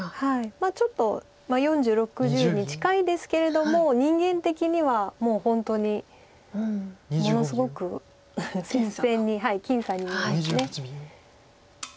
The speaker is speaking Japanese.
まあちょっと４０６０に近いですけれども人間的にはもう本当にものすごく接戦に僅差に見えます。